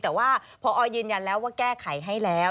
แต่ว่าพอยืนยันแล้วว่าแก้ไขให้แล้ว